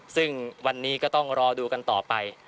ซึ่งวันนี้ก็ต้องรอดูกันต่อไป